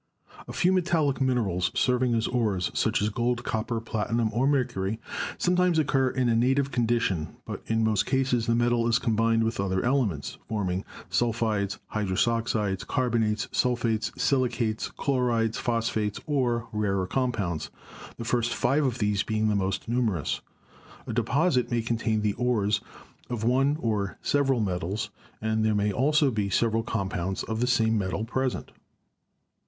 "A few metallic minerals serving as ores, such as gold, copper, platinum, or mercury, sometimes occur in a native condition; but in most cases the metal is combined with other elements, forming sulphides, hydrous oxides, carbon ates, sulphates, silicates, chlorides, phosphates, or rarer compounds, the first five of these being the most numerous. A deposit may contain the ores of one or several metals, and there may also be several compounds of the same metal present."